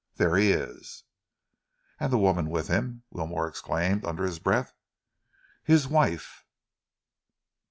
There he is." "And the woman with him?" Wilmore exclaimed under his breath. "His wife!"